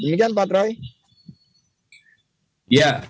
demikian pak troy